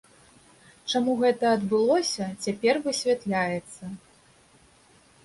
Чаму гэта адбылося, цяпер высвятляецца.